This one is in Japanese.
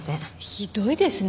ひどいですね。